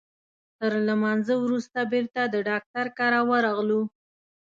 تر لمانځه وروسته بیرته د ډاکټر کره ورغلو.